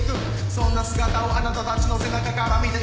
そんな姿をあなたたちの背中から見て